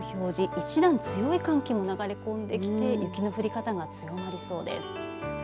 一段強い寒気も流れ込んできて雪の降り方が強まりそうです。